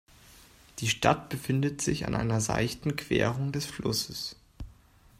Die Stadt befindet sich an einer seichten Querung des Flusses.